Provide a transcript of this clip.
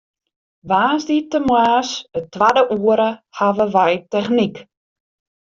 Woansdeitemoarns it twadde oere hawwe wy technyk.